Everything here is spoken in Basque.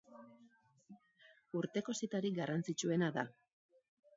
Urteko zitarik garrantzitsuena da.